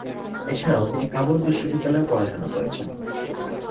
এছাড়াও তিনি কাবুল বিশ্ববিদ্যালয়ে পড়াশোনা করেছেন।